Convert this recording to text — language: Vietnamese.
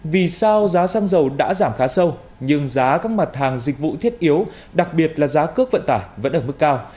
vì sao giá xăng dầu đã giảm khá sâu nhưng giá các mặt hàng dịch vụ thiết yếu đặc biệt là giá cước vận tải vẫn ở mức cao